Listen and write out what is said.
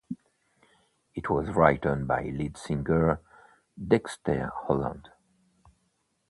It was written by lead singer Dexter Holland.